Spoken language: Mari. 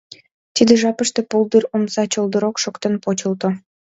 Тиде жапыште пулдыр омса чолдырок шоктен почылто.